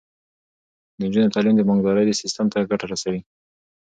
د نجونو تعلیم د بانکدارۍ سیستم ته ګټه رسوي.